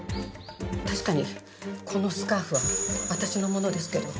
確かにこのスカーフは私のものですけど。